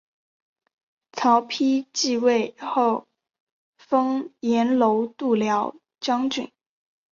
曹丕即位后封阎柔度辽将军。